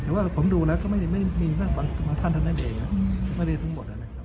แต่ว่าผมดูแล้วก็ไม่มีบางท่านทั้งนั้นเลยนะไม่ได้ทั้งหมดเลยนะครับ